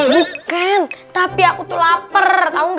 bukan tapi aku tuh lapar tau gak